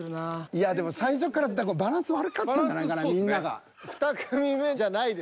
いやでも最初からバランス悪かったんじゃないかなみんなが。